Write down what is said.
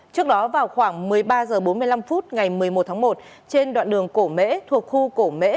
trước đó vào khoảng một mươi ba h bốn mươi năm phút ngày một mươi một tháng một trên đoạn đường cổ mễ thuộc khu cổ mễ